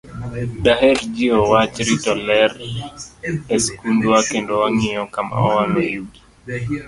Daher jiwo wach rito ler e skundwa, kendo wang'iyo kama wawang'oe yugi.